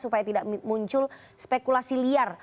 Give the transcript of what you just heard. supaya tidak muncul spekulasi liar